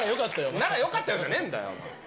ならよかったよじゃねぇんだよ。